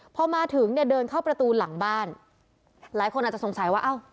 พอมาถึงเนี่ยเดินเข้าประตูหลังบ้านหลายคนอาจจะสงสัยว่าอ้าว